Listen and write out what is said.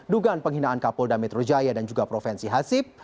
dugaan penghinaan kapolda metro jaya dan juga provinsi hasib